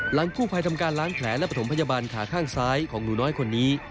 กู้ภัยทำการล้างแผลและประถมพยาบาลขาข้างซ้ายของหนูน้อยคนนี้